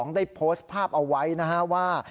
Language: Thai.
ได้โพสต์ภาพเอาไว้นะฮะว่า